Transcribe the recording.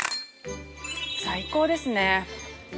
最高ですね。